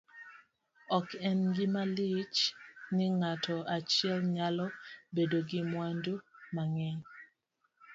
ok en gima lich ni ng'ato achiel nyalo bedo gi mwandu mang'eny